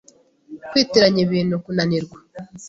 kwitiranya ibintu, kunanirwa